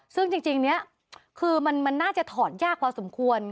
ซึ่งจริงนี้คือมันน่าจะถอดยากพอสมควร